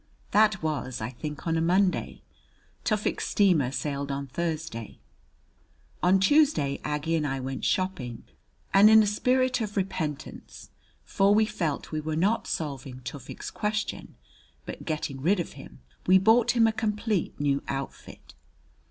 That was, I think, on a Monday. Tufik's steamer sailed on Thursday. On Tuesday Aggie and I went shopping; and in a spirit of repentance for we felt we were not solving Tufik's question but getting rid of him we bought him a complete new outfit.